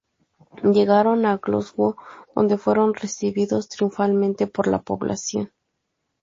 Llegaron a Glasgow, donde fueron recibidos triunfalmente por la población.